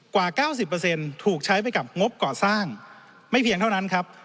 กว่า๙๐ถูกใช้ไปกับงบก่อสร้างไม่เพียงเท่านั้นครับ